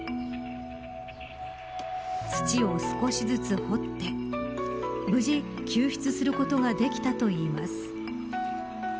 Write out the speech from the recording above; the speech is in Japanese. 土を少しずつ掘って無事、救出することができたといいます。